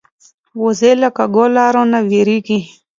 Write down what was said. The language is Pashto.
وزې له کږو لارو نه وېرېږي